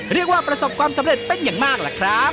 ประสบความสำเร็จเป็นอย่างมากล่ะครับ